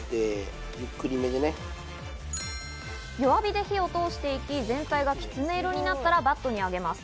弱火で火を通していき、全体がきつね色になったらバットに上げます。